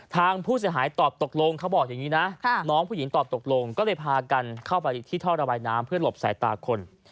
ทางผู้เสียหายตอบตกลงเขาบอกอย่างนี้นะน้องผู้หญิงตอบตกลงก็เลยพากันเข้าไปที่ท่อระบายน้ำเพื่อหลบสายตาคน